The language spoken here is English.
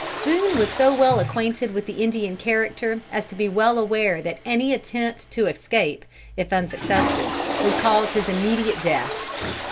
Boone was so well acquainted with the Indian character as to be well aware that any attempt to escape, if unsuccessful, would cause his immediate death.